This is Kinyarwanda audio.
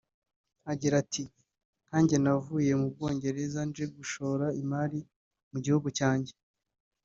agira ati “Nkanjye navuye mu Bwongereza nje gushora imari mu gihugu cyanjye